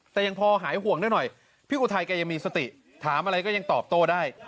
แต่ยังพอหายห่วงได้หน่อยพี่อุทัยแกยังมีสติถามอะไรก็ยังตอบโต้ได้